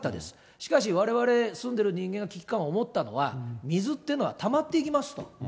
しかし、われわれ住んでる人間が危機感を持ったのは、水っていうのはたまっていきますと。